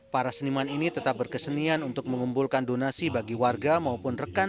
para seniman ini tetap berkesenian untuk mengumpulkan donasi bagi warga maupun rekan